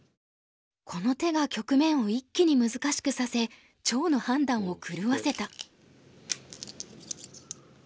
この手が局面を一気に難しくさせ趙の判断を狂わせた。